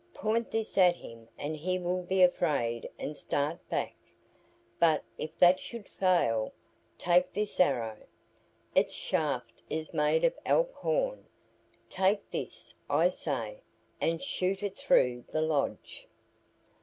Point this at him and he will be afraid and start back; but if that should fail, take this arrow. Its shaft is made of elk horn. Take this, I say, and shoot it through the lodge."